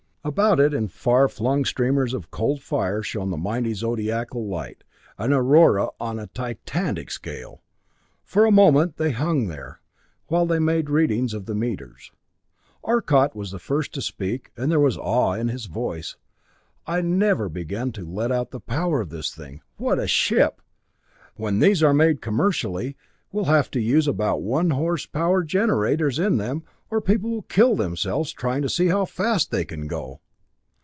About it, in far flung streamers of cold fire shone the mighty zodiacal light, an Aurora on a titanic scale. For a moment they hung there, while they made readings of the meters. Arcot was the first to speak and there was awe in his voice. "I never began to let out the power of this thing! What a ship! When these are made commercially, we'll have to use about one horsepower generators in them, or people will kill themselves trying to see how fast they can go."